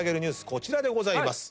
こちらでございます。